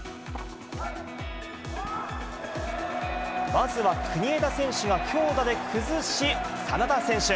まずは国枝選手が強打で崩し、眞田選手。